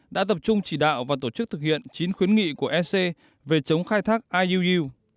đã tập trung chỉ đạo và tổ chức thực hiện chín khuyến nghị của ec về chống khai thác iuu